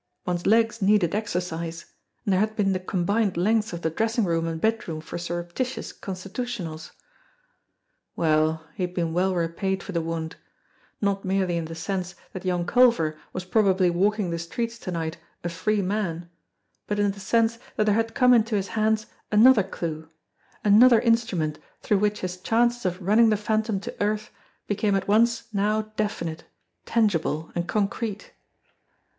One's legs needed exercise and there had been the com bined lengths of the dressing room and bedroom for surrep titious constitutionals ! Well, he had been well repaid for the wound ; not merely in the sense that young Culver was probably walking the streets to night a free man, but in the sense that there had come into his hands another clue, another instrument through which his chances of running the Phantom to earth became at once now definite, tangible and concrete.